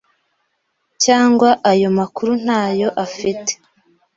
cyangwa ayo makuru ntayo afite.